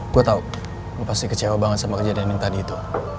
gue tau gue pasti kecewa banget sama kejadian yang tadi itu